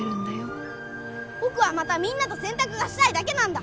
僕はまたみんなと洗濯がしたいだけなんだ！